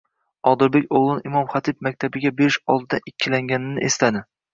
Odilbek o'g'lini Imom Xatib maktabiga berish oldidan ikkilanganini esladi.